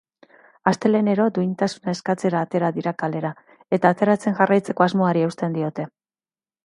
Astelehenero duintasuna eskatzera atera dira kalera, eta ateratzen jarraitzeko asmoari eusten diote.